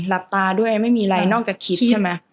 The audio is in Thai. หลับตาด้วยไม่มีอะไรนอกจากคิดใช่ไหม